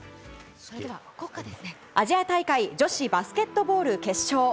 アジア大会女子バスケットボール決勝。